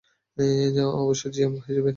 অবশ্যই জিএম হিসেবে।